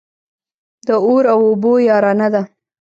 د اور او اوبو يارانه ده.